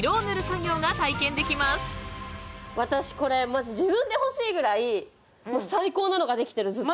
私これマジ自分で欲しいぐらい最高なのができてるずっと。